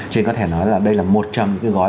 cho nên có thể nói là đây là một trong những gói